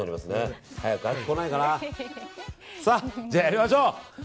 じゃあ、やりましょう！